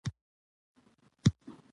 عدالت د ټولنیز باور بنسټ دی.